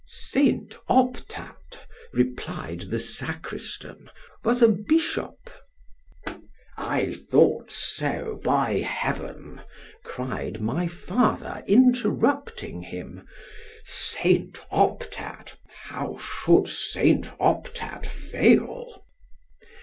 Saint Optat, replied the sacristan, was a bishop—— ——I thought so, by heaven! cried my father, interrupting him—Saint Optat!——how should Saint Optat fail?